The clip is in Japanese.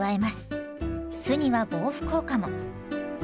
酢には防腐効果も。